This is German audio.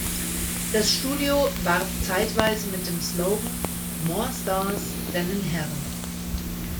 Das Studio warb zeitweise mit dem Slogan "More Stars than in Heaven".